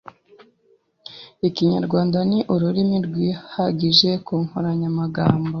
Ikinyarwanda ni ururimi rwihagije ku nkoranyamagambo